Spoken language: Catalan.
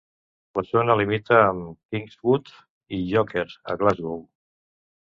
La zona limita amb Knightswood i Yoker a Glasgow.